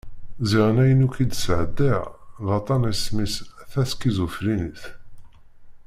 Ziɣen ayen akk i d-sɛeddaɣ d aṭan isem-is taskiẓufrinit.